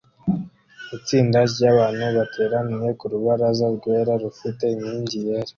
Itsinda ryabantu bateraniye ku rubaraza rwera rufite inkingi yera